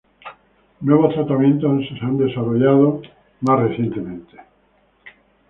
Nuevos tratamientos han sido desarrollados más recientemente.